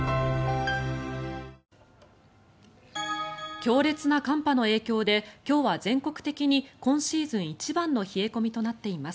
強烈な寒波の影響で今日は全国的に今シーズン一番の冷え込みとなっています。